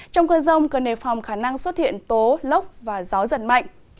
trong cơn rông cần nề phòng khả năng xuất hiện tố lốc và gió giật mạnh